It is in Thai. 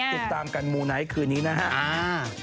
ติดตามกันมูไนท์คืนนี้นะครับ